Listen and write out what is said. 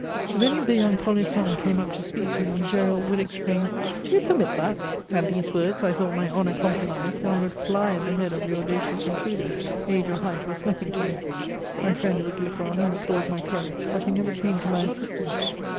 If any of the young polissons came up to speak to me, Gesril would exdsim, " Do you permit that ?" At these words, I thought my honour compromised, and I would fly at the head of the audacious intruder. Age or height was nothing to me. My friend would look on and applaud my courage, hut he neyer came to my assistance.